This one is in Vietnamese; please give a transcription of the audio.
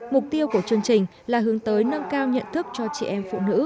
mục tiêu của chương trình là hướng tới nâng cao nhận thức cho chị em phụ nữ